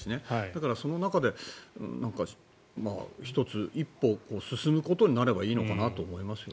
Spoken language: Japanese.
だから、その中で１つ、一歩進むことになればいいのかなと思いますよ。